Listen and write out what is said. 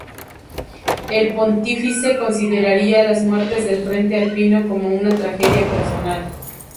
El pontífice consideraría las muertes del frente alpino como una tragedia personal.